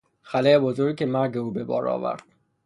خلابزرگی که مرگ او به بار آورد